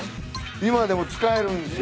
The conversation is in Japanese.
今でも使えるんですよ。